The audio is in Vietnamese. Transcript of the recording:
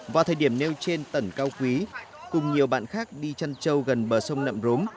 vào thời điểm nêu trên tẩn cao quý cùng nhiều bạn khác đi chăn trâu gần bờ sông nậm rốm